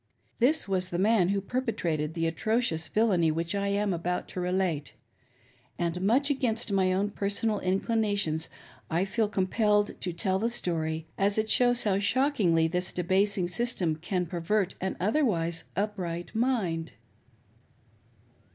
— This was the man who per petrated the atrocious villainy which I am about to relate ; and much against my own personal inclinations I feel com 522 DESTITUTE AND FORSAKEN. pelled to tell the story, as it shows how shockingly this debasing system can pervert an otherwise upright mind.